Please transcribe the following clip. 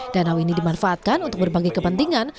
danau ini dimanfaatkan untuk berbagai kepentingan